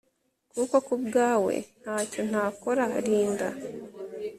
kuko kubwawe ntacyo ntakora Linda